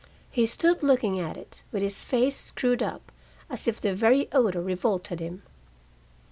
He stood looking at it, with his face screwed up, as if the very odor revolted him.